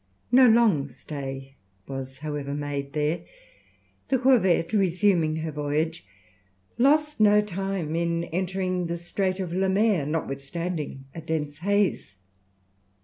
No long stay was, however, made there; the corvette resuming her voyage, lost no time in entering the Strait of Le Maire, notwithstanding a dense haze.